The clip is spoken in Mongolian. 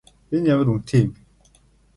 Энэ ямар үнэтэй юм бэ?